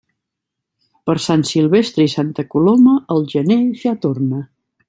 Per Sant Silvestre i Santa Coloma, el gener ja torna.